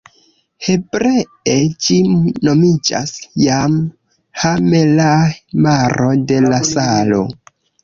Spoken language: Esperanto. Hebree ĝi nomiĝas Jam Ha-melah, Maro de la Salo.